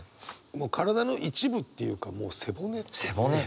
もう体の一部っていうかもう背骨ってね。